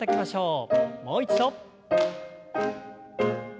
もう一度。